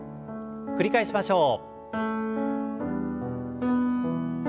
繰り返しましょう。